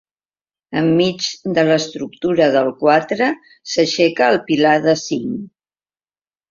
Enmig de l'estructura del quatre s'aixeca el pilar de cinc.